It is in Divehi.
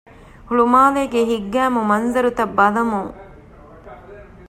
ހުޅުމާލޭގެ ހިތްގައިމު މަންޒަރުތައް ބަލަމުން